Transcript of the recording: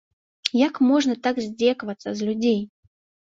Як можна так здзекавацца з людзей?